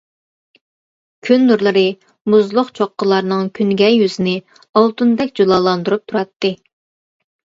كۈن نۇرلىرى مۇزلۇق چوققىلارنىڭ كۈنگەي يۈزىنى ئالتۇندەك جۇلالاندۇرۇپ تۇراتتى.